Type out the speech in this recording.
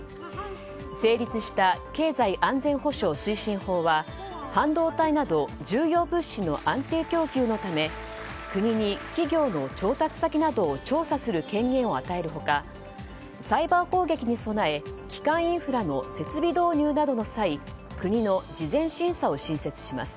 成立した経済安全保障推進法は半導体など重要物資の安定供給のため国に企業の調達先などを調査する権限を与える他サイバー攻撃に備え基幹インフラの設備導入などの際国の事前審査を新設します。